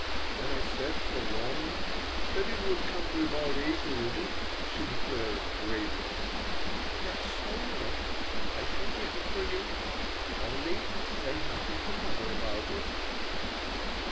When I said, forlornly, that it would come to about eighty rubles, she declared, gravely: "That's all right. I shall get it for you. Only, say nothing to mother about it."